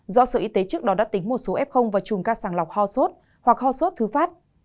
do sở y tế trước đó đã tính một số f và trùng ca sàng lọc hoa sốt hoặc hoa sốt thứ phát